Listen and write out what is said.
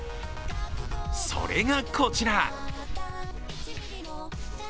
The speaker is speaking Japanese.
それが、こちら。